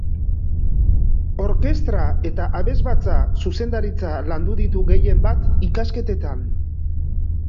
Orkestra eta Abesbatza Zuzendaritza landu ditu gehienbat ikasketetan.